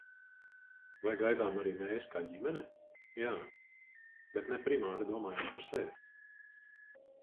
Vai gaidām arī mēs, kā ģimene? Jā. Bet ne primāri domājot par sevi.